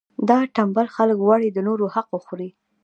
دا ټنبل خلک غواړي د نورو حق وخوري.